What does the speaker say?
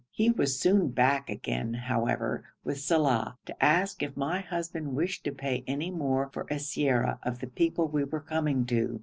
He was soon back again, however, with Saleh, to ask if my husband wished to pay any more for siyara of the people we were coming to.